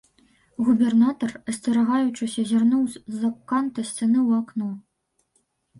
Губернатар, асцерагаючыся, зірнуў з-за канта сцяны ў акно.